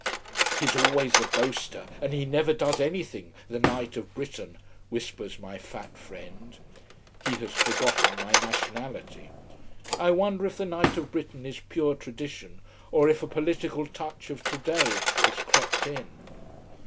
"He's always the boaster, and he never does anything, the Knight of Britain," whispers my fat friend. He has forgotten my nationality. I wonder if the Knight of Britain is pure tradition, or if a political touch of today has crept in.